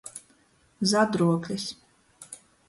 Zadruoklis.